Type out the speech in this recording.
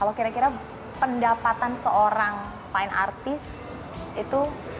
saya kira pendapatan seorang vine artist itu gimana menurut mas pinot